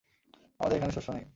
আমাদের এখানে শস্য নেই।